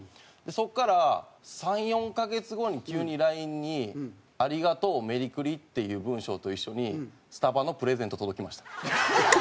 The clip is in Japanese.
そこから３４カ月後に急にＬＩＮＥに「ありがとうメリクリ」っていう文章と一緒にスタバのプレゼント届きました。